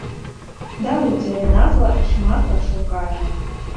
Даруйце, але назва шмат пра што кажа.